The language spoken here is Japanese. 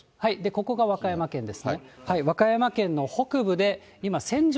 ここが和歌山県で。